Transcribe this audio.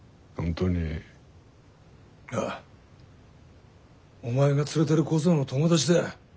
ああお前が連れてる小僧の友達だ。